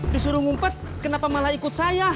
disuruh ngumpet kenapa malah ikut saya